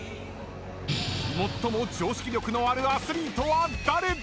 ［最も常識力のあるアスリートは誰だ⁉］